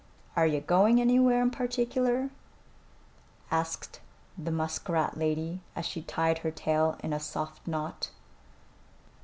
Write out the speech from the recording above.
"Are you going anywhere in particular?" asked the muskrat lady, as she tied her tail in a soft knot.